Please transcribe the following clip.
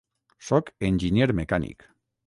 Soc enginyer mecànic.